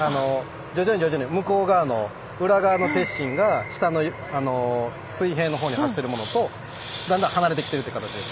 徐々に徐々に向こう側の裏側の鉄心が下のあの水平の方に走ってるものとだんだん離れてきてるって形です。